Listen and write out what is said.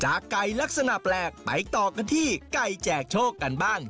ไก่ลักษณะแปลกไปต่อกันที่ไก่แจกโชคกันบ้าง